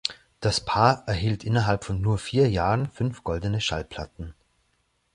Das Paar erhielt innerhalb von nur vier Jahren fünf goldene Schallplatten.